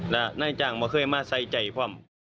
น่าที่จากมันเคยมาใส่ใจความ